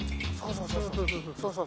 そうそうそう。